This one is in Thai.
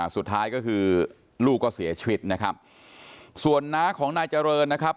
สุดท้ายก็คือลูกก็เสียชีวิตนะครับส่วนน้าของนายเจริญนะครับ